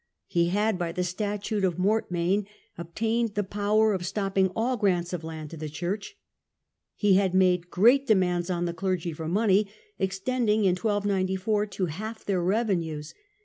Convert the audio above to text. He had, by the Statute of Mortmain, obtained the power of stopping all grants of land to the church. He had made great demands on the clergy for money, extending in 1294 to half their revenues.